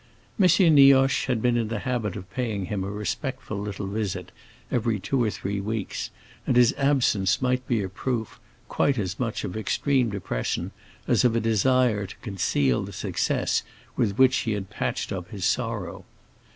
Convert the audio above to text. M. Nioche had been in the habit of paying him a respectful little visit every two or three weeks and his absence might be a proof quite as much of extreme depression as of a desire to conceal the success with which he had patched up his sorrow.